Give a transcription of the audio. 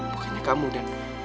bukannya kamu dan